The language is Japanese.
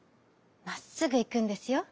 まっすぐいくんですよ」。